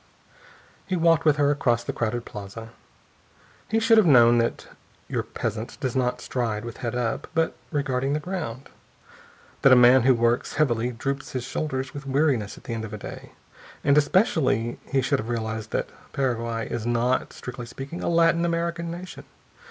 He walked with her across the crowded plaza. He should have known that your peasant does not stride with head up, but regarding the ground. That a man who works heavily droops his shoulders with weariness at the end of a day. And especially he should have realized that Paraguay is not, strictly speaking, a Latin American nation.